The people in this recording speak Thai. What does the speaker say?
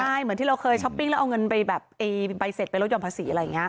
ใช่เหมือนที่เราเคยช้อปปิ้งแล้วเอาเงินไปแบบใบเสร็จไปลดห่อนภาษีอะไรอย่างนี้